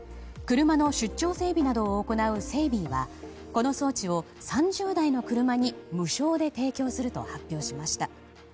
車の出張整備などを行うＳｅｉｂｉｉがこの装置を３０台の車に無償で提供すると発表しました。